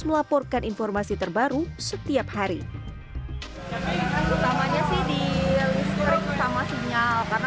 melaporkan informasi terbaru setiap hari utamanya sih di listrik sama sinyal karena